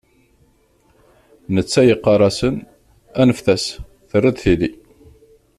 Netta yeqqar-asen: Aneft-as terra-d tili.